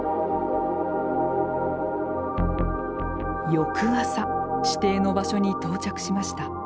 翌朝指定の場所に到着しました。